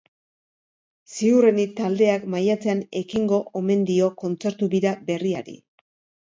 Ziurrenik, taldeak maiatzean ekingo omen dio kontzertu-bira berriari.